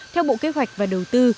theo bộ kế hoạch và đầu tư